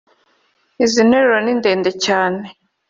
izi nteruro ni ndende cyane